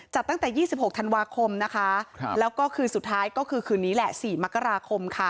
จัดตั้งแต่๒๖ธันวาคมแล้วก็คือสุดท้ายคืนนี้แหละ๔มกราคม